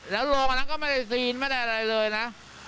แล้วโรงอันนั้นก็ไม่ได้ซีนไม่ได้อะไรเลยนะ